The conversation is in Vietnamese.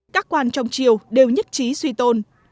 các quan trong triều đều nhất trí suy tôn